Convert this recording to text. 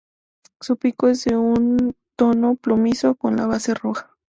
Su pico es de un tono plomizo, con la base roja.